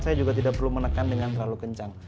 saya juga tidak perlu menekan dengan terlalu kencang